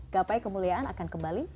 gapai kemuliaan akan kembali